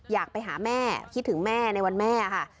อยากไปหาแม่คิดถึงแม่ในวันแม่ค่ะ